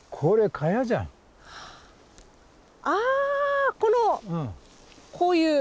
あこのこういう。